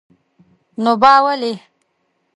نو با ولي?